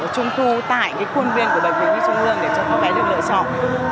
trung thu tại khuôn viên của bệnh viện nhi trung ương để cho các bé được lựa chọn